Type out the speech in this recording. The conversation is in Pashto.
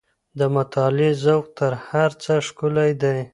د مطالعې ذوق تر هر څه ښکلی دی.